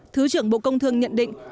thứ trưởng bộ công thương nhận định